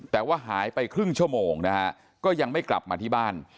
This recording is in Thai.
แต่ว่าหายไปครึ่งชั่วโมงนะฮะก็ยังไม่กลับมาที่บ้าน